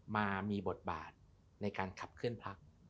มามีบทบาทในการขับเคลื่อนพัก